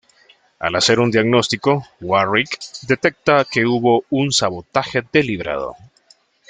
Al hacer un diagnóstico, Warrick detecta que hubo un sabotaje deliberado.